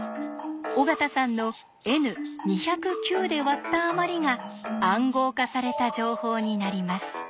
尾形さんのＮ２０９で割ったあまりが暗号化された情報になります。